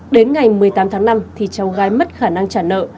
đến ngày một mươi tám tháng năm thì cháu gái mất khả năng trả nợ